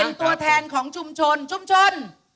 เป็นตัวแทนของชุมชนชุมชน